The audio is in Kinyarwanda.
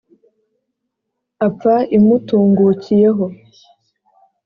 Apfa imutungukiyeho